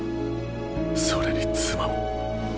それに妻も。